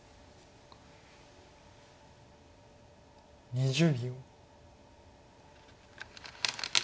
２０秒。